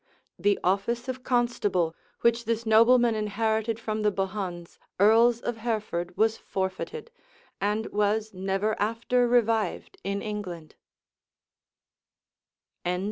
The office of constable, which this nobleman inherited from the Bohuns, earls of Hereford, was forfeited, and was never after revived in England.